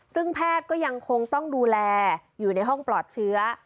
ซึ่งแพทย์ก็ยังคงต้องดูแลอยู่ในห้องปลอดเชื้อ